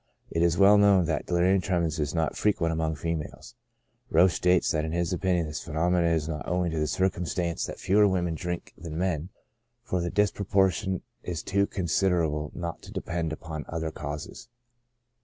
It is well known that delirium tremens is not frequent among females ; Roesch states that in his opinion this phenomenon is not owing to the circumstance that fewer women drink than PREDISPOSING CAUSES. 51 men, for the disproportion is too considerable not to depend upon other causes.